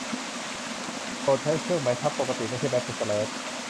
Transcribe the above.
โปรดใช้เครื่องหมายทับปกติไม่ใช่แบ็กสแลช